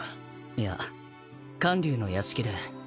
いや観柳の屋敷で。